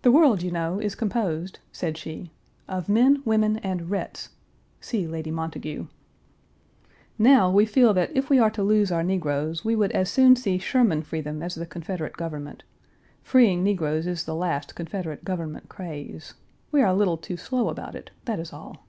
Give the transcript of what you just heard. "The world, you know, is composed," said she, "of men, women, and Rhetts" (see Lady Montagu). Now, we feel that if we are to lose our negroes, we would as soon see Sherman free them as the Confederate Government; freeing negroes is the last Confederate Government craze. We are a little too slow about it; that is all.